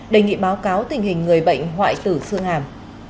đề nghị báo cáo tình hình người bệnh hoại tử xương hàm